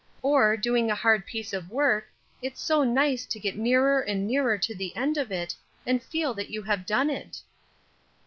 Or, doing a hard piece of work, it's so nice to get nearer and nearer to the end of it, and feel that you have done it."